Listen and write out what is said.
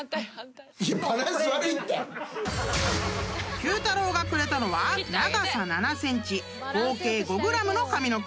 ［Ｑ太郎がくれたのは長さ７ｃｍ合計５ｇの髪の毛］